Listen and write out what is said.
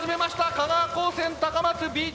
香川高専高松Ｂチーム。